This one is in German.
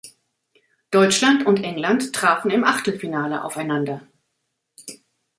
Deutschland und England trafen im Achtelfinale aufeinander.